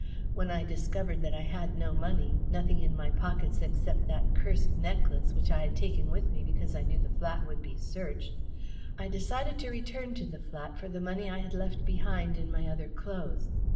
When I discovered that I had no money nothing in my pockets except that cursed necklace, which I had taken with me because I knew the flat would be searched I decided to return to the flat for the money I had left behind in my other clothes.